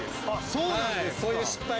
そうなんですね。